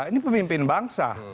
ini pemimpin bangsa